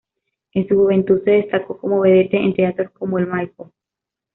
En su juventud se destacó como vedette en teatros como el Maipo.